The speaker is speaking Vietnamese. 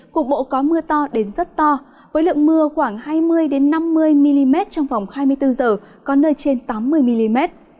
cục bộ có mưa to đến rất to với lượng mưa khoảng hai mươi năm mươi mm trong vòng hai mươi bốn h có nơi trên tám mươi mm